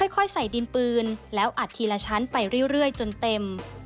ค่อยใส่ดินปืนแล้วอัดทีละชั้นไปเรื่อยจนเต็ม